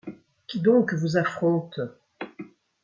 Qui doncques vous affronte ?